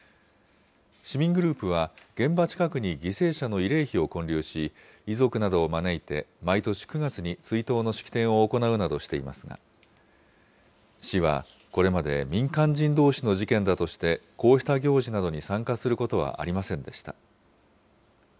市民グループは、現場近くに犠牲者の慰霊碑を建立し、遺族などを招いて毎年９月に追悼の式典を行うなどしていますが、市は、これまで民間人どうしの事件だとして、こうした行事などに参加することはありませんでした。